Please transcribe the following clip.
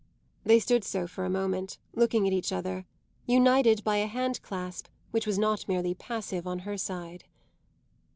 They stood so for a moment, looking at each other, united by a hand clasp which was not merely passive on her side.